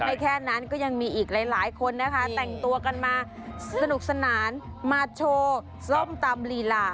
แค่นั้นก็ยังมีอีกหลายคนนะคะแต่งตัวกันมาสนุกสนานมาโชว์ส้มตำลีลา